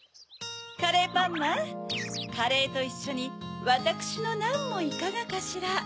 カレーパンマンカレーといっしょにわたくしのナンもいかがかしら？